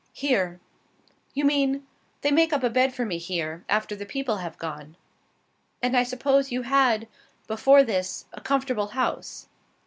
"Here." "You mean ?" "They make up a bed for me here, after the people have gone." "And I suppose you had before this a comfortable house."